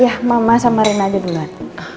iya mama sama rina aja duluan